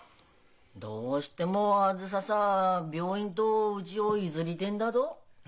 どうしてもあづささ病院とうちを譲りてえんだと。